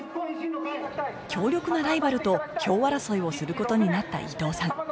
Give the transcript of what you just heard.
強力なライバルと票争いをすることになった伊藤さん